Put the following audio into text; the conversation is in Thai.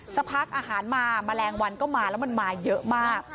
สักพักอาหารมาแมลงวันก็มาแล้วมันมาเยอะมาก